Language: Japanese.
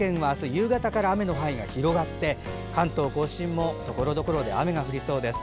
夕方から雨の範囲が広がって関東・甲信も、ところどころで雨が降りそうです。